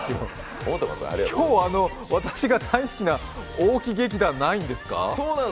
今日、私が大好きな大木劇団ないんですか？